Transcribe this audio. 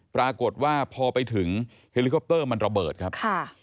ปรากฏว่าพอไปถึงเฮลิคอปเตอร์มันระเบิดครับ